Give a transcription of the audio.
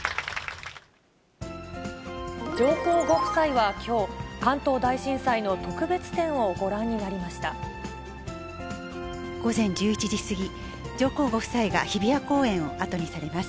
上皇ご夫妻はきょう、関東大午前１１時過ぎ、上皇ご夫妻が日比谷公園を後にされます。